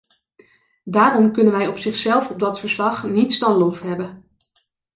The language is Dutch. Daarom kunnen wij op zichzelf op dat verslag niets dan lof hebben.